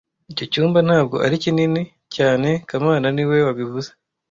Icyo cyumba ntabwo ari kinini cyane kamana niwe wabivuze